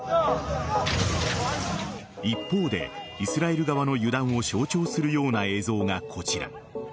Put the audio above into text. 一方で、イスラエル側の油断を象徴するような映像がこちら。